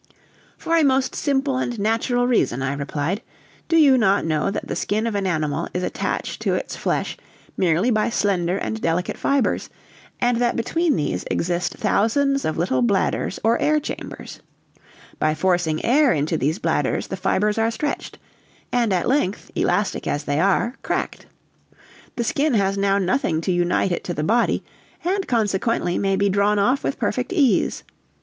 "For a most simple and natural reason," I replied; "do you not know that the skin of an animal is attached to its flesh merely by slender and delicate fibers, and that between these exist thousands of little bladders or air chambers; by forcing air into these bladders the fibers are stretched, and at length, elastic as they are, cracked. The skin has now nothing to unite it to the body, and, consequently, may be drawn off with perfect ease.